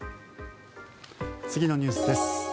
次のニュースです。